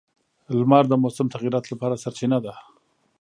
• لمر د موسم تغیراتو لپاره سرچینه ده.